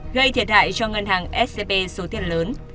gây thiệt hại cho ngân hàng scb số tiền lớn